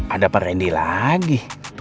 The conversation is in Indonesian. ada perendi lagi